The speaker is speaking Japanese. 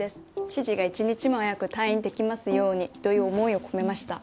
知事が一日も早く退院できますようにという思いを込めました。